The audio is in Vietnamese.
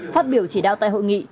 phát biểu chỉ đạo tại hội nghị